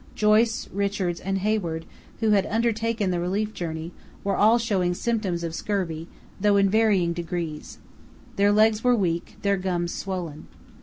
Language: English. Joyce, Richards, and Hayward, who had undertaken the relief journey, were all showing symptoms of scurvy, though in varying degrees. Their legs were weak, their gums swollen.